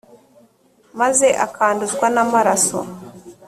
maze akanduzwa n amaraso